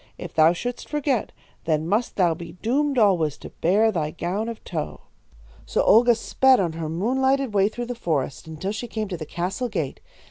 If thou shouldst forget, then must thou be doomed alway to bear thy gown of tow.' "So Olga sped on her moon lighted way through the forest until she came to the castle gate.